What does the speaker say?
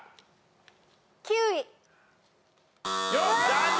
残念！